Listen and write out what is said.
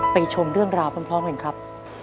ชมเรื่องราวพร้อมกันครับ